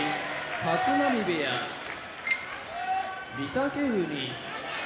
立浪部屋御嶽海